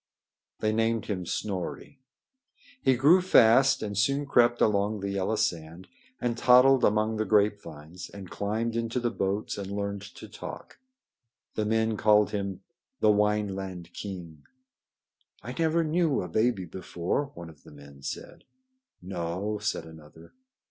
They named him Snorri. He grew fast and soon crept along the yellow sand, and toddled among the grapevines, and climbed into the boats and learned to talk. The men called him the "Wineland king." "I never knew a baby before," one of the men said. "No," said another.